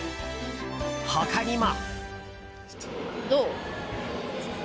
他にも。